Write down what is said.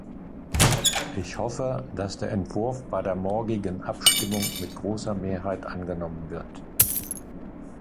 Ich hoffe, dass der Entwurf bei der morgigen Abstimmung mit großer Mehrheit angenommen wird.